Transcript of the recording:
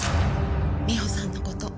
美穂さんの事。